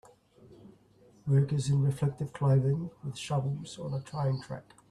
Workers in reflective clothing with shovels on a train track.